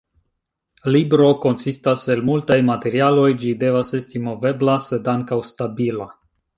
Libro konsistas el multaj materialoj, ĝi devas esti movebla sed ankaŭ stabila.